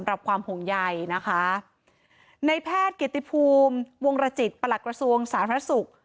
ในแพทย์เกตติภูมิวงรจิตประหลักกระทรวงสารพระศุกร์